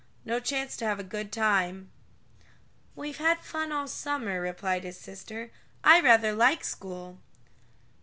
No chance to have a good time!" "We've had fun all summer," replied his sister. "I rather like school."